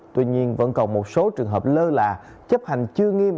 tuy nhiên vẫn còn một số trường hợp lơ là chấp hành chưa nghiêm